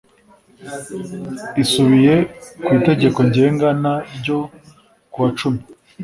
isubiye ku itegeko ngenga n ryo kuwa cumi